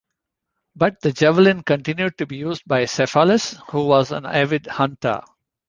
But the javelin continued to be used by Cephalus, who was an avid hunter.